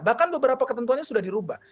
bahkan beberapa ketentuannya sudah dirubah